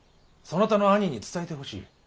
そなたの兄に伝えてほしい。